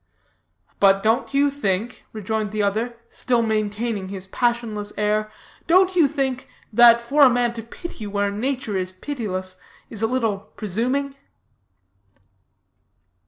"But don't you think," rejoined the other, still maintaining his passionless air, "don't you think, that for a man to pity where nature is pitiless, is a little presuming?"